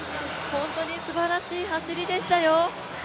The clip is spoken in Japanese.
本当にすばらしい走りでしたよ。